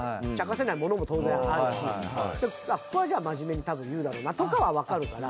ここはじゃあ真面目に言うだろうなとかはわかるから。